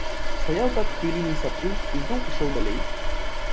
Стаяў так хвіліны са тры і зноў ішоў далей.